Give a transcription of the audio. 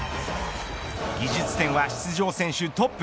技術点は出場選手トップ。